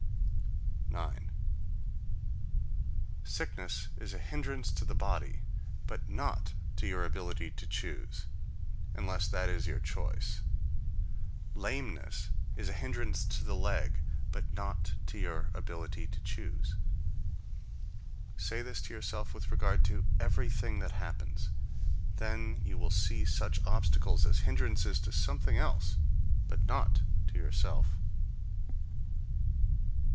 9. Sickness is a hindrance to the body, but not to your ability to choose, unless that is your choice. Lameness is a hindrance to the leg, but not to your ability to choose. Say this to yourself with regard to everything that happens, then you will see such obstacles as hindrances to something else, but not to yourself.